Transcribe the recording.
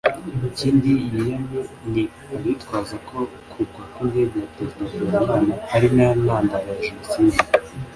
Ikindi yiyamye ni abitwaza ko kugwa ku indege ya Perezida Habyarimana ari yo ntandaro ya Jenoside